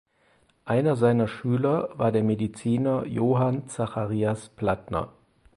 Einer seiner Schüler war der Mediziner Johann Zacharias Platner.